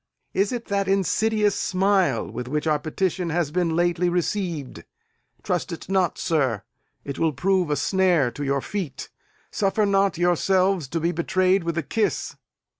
Is it that insidious smile with which our petition has been lately received? Trust it not, sir; it will prove a snare to your feet. Suffer not yourselves to be betrayed with a kiss.